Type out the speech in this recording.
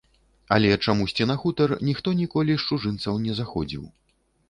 Але чамусьці на хутар ніхто ніколі з чужынцаў не заходзіў.